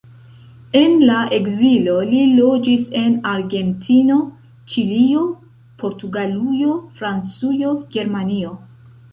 En la ekzilo, li loĝis en Argentino, Ĉilio, Portugalujo, Francujo, Germanio.